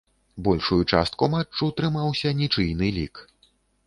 Большую частку матчу трымаўся нічыйны лік.